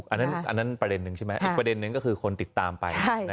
อันนั้นประเด็นนึงใช่ไหมอีกประเด็นนึงก็คือคนติดตามไป